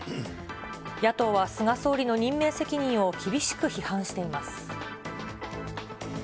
野党は菅総理の任命責任を厳しく批判しています。